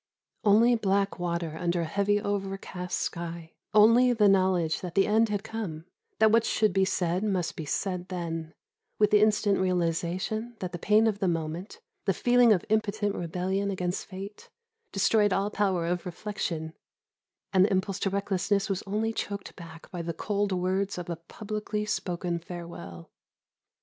Only black water under a heavy overcast sky; only the knowledge that the end had come; that what should be said must be said then, with the instant realisation that the pain of the moment, the feeling of impotent rebellion against fate, destroyed all power of reflection, and the impulse to recklessness was only choked back by the cold words of a publicly spoken farewell.